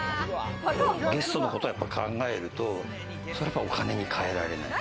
ゲストのことをやっぱり考えると、それは、お金に替えられない。